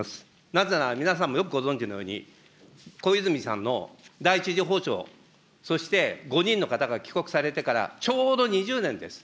なぜなら皆さんもよくご存じのように、小泉さんの第１次訪朝、そして、５人の方が帰国されてからちょうど２０年です。